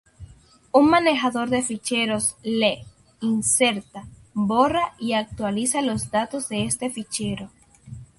Un manejador de ficheros lee, inserta, borra y actualiza los datos de este fichero.